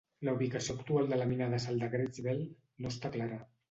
La ubicació actual de la mina de sal de Greigsville no està clara.